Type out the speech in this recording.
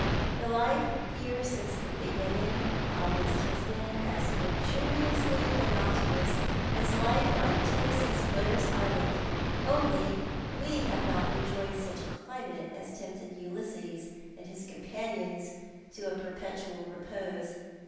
The life here since the beginning of 1 8 Tho7i art the Man. August has been as luxurioiisly monotonous as life on Tenny son's Lotos Island, only we have not enjoyed such a climate as tempted Ulysses and his companions to a perpetual repose.